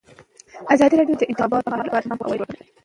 ازادي راډیو د د انتخاباتو بهیر لپاره عامه پوهاوي لوړ کړی.